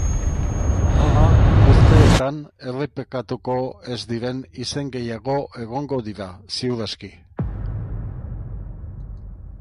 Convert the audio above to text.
Hala, urteetan errepikatuko ez diren izen gehiago egongo dira, ziur aski.